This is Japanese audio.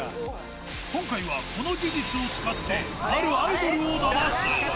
今回はこの技術を使って、あるアイドルをダマす。